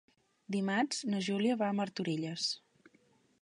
Dimarts na Júlia va a Martorelles.